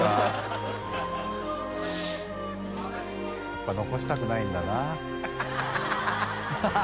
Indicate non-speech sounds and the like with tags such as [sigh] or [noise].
やっぱ残したくないんだなハハハ [laughs]